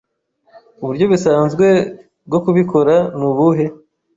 uburyo bisanzwe bwo kubikora nubuhe